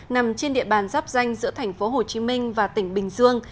nằm trên địa bàn giáp danh giữa thành phố hồ chí minh và tỉnh bình dương